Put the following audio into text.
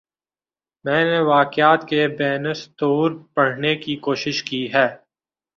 میں نے واقعات کے بین السطور پڑھنے کی کوشش کی ہے۔